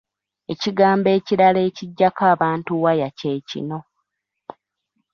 Ekigambo ekirala ekiggyako abantu waya kye kino.